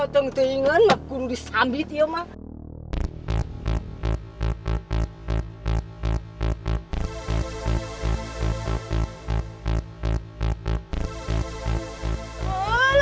teng tengan lah kudu disambit ya emang